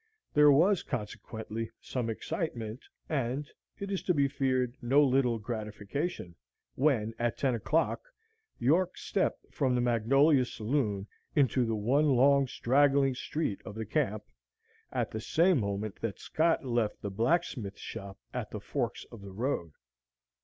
There was, consequently, some excitement and, it is to be feared, no little gratification when, at ten o'clock, York stepped from the Magnolia Saloon into the one long straggling street of the camp, at the same moment that Scott left the blacksmith's shop at the forks of the road.